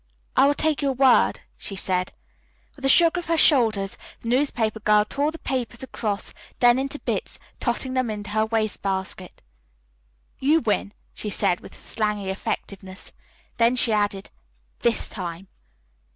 "I will take your word," she said. With a shrug of her shoulders the newspaper girl tore the papers across, then into bits, tossing them into her waste basket. "You win," she said with slangy effectiveness, then she added "this time."